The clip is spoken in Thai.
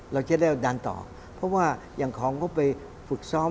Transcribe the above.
เราจะได้ดันต่อเพราะว่าอย่างของก็ไปฝึกซ้อม